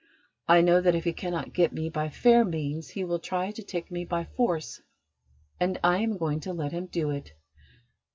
I know that if he cannot get me by fair means he will try to take me by force and I am going to let him do it."